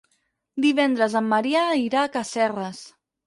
Divendres en Maria irà a Casserres.